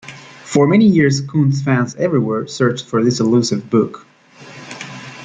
For many years Koontz fans everywhere searched for this elusive book.